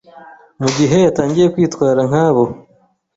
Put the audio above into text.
mugihe yatangiye kwitwara nkabo.